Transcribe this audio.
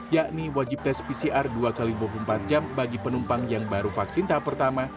yakni wajib tes pcr dua x dua puluh empat jam bagi penumpang yang baru vaksin tahap pertama